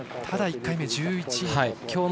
ただ１回目は１１位と。